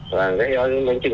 và gọi bánh trưng